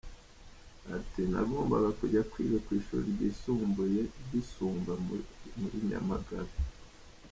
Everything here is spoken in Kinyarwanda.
Ati “Nagombaga kujya kwiga ku ishuri ryisumbuye ry’i Sumba muri Nyamagabe.